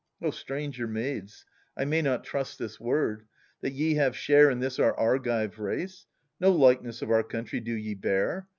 stranger maids, I may not trust this word, That ye have share in this our Argive race. No likeness of our country do ye bear.